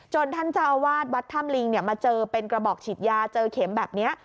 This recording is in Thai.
ท่านเจ้าอาวาสวัดถ้ำลิงมาเจอเป็นกระบอกฉีดยาเจอเข็มแบบนี้